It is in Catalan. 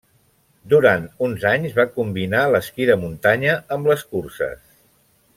Durant uns anys va combinar l'esquí de muntanya amb les curses.